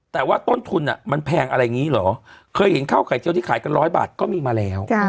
แต่ว่าต้นทุนมันแพงอะไรอย่างนี้เหรอเคยเห็นข้าวไข่เจียวที่ขายกันร้อยบาทก็มีมาแล้ว